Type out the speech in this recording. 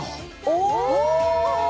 お！